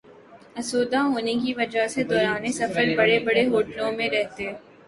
آسودہ ہونے کی وجہ سے دوران سفر بڑے بڑے ہوٹلوں میں رہتے